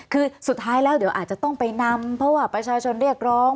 คือสุดท้ายแล้วเดี๋ยวอาจจะต้องไปนำเพราะว่าประชาชนเรียกร้อง